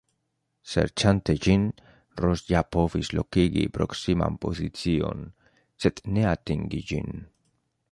Serĉante ĝin, Ross ja povis lokigi proksiman pozicion, sed ne atingi ĝin.